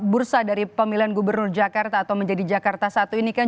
bursa dari pemilihan gubernur jakarta atau menjadi jakarta satu ini kan